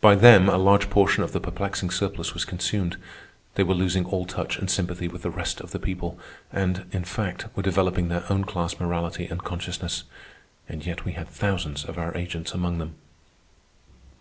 By them a large portion of the perplexing surplus was consumed. They were losing all touch and sympathy with the rest of the people, and, in fact, were developing their own class morality and consciousness. And yet we had thousands of our agents among them.